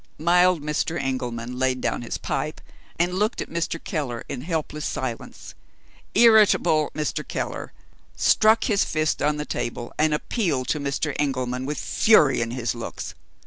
Mild Mr. Engelman laid down his pipe, and looked at Mr. Keller in helpless silence. Irritable Mr. Keller struck his fist on the table, and appealed to Mr. Engelman with fury in his looks.